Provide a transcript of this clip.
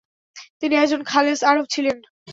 তিনি একজন খালেছ আরব ছিলেন।